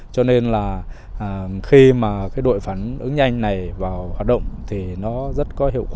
cho nên là khi mà cái đội phản ứng nhanh này vào hoạt động thì nó rất có hiệu quả